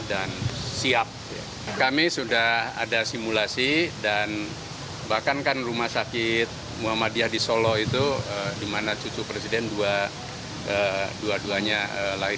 dan juga menangani virus ini dengan seksama dan juga menangani virus ini dengan seksama